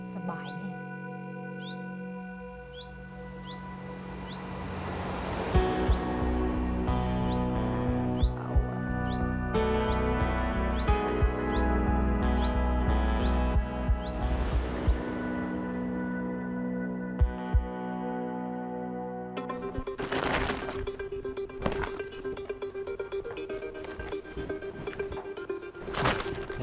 สบาย